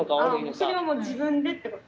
それはもう自分でってことか。